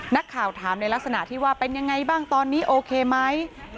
นักข่าวถามในลักษณะที่ว่าเป็นยังไงบ้างตอนนี้โอเคไหม